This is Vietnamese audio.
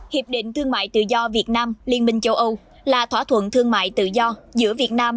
hiệp định thương mại tự do việt nam liên minh châu âu là thỏa thuận thương mại tự do giữa việt nam